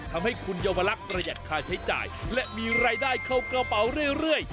ทำให้คุณเยาวลักษณ์ประหยัดค่าใช้จ่ายและมีรายได้เข้ากระเป๋าเรื่อย